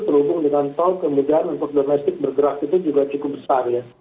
terhubung dengan tol kemudian untuk domestik bergerak itu juga cukup besar ya